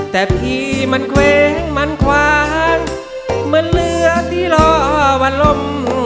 แต่พี่มันเคว้งมันคว้างเหมือนเรือที่รอวันลม